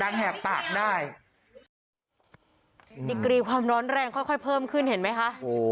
ดังแห่งปากได้ดิกรีความร้อนแรงค่อยค่อยเพิ่มขึ้นเห็นไหมคะ